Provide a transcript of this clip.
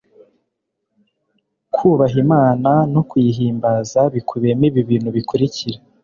kubaha imana no kuyihimbaza bikubiyemo ibibintu bikurikira